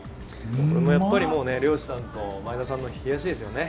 これもやっぱりもう漁師さんと前田さんの冷やしですよね。